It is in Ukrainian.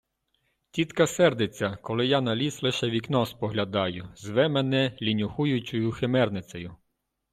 Тітка сердиться, коли я на ліс лише вікном споглядаю; зве мене "лінюхуючою химерницею".